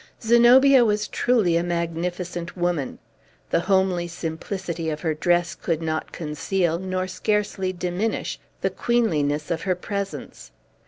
Zenobia was truly a magnificent woman. The homely simplicity of her dress could not conceal, nor scarcely diminish, the queenliness of her presence.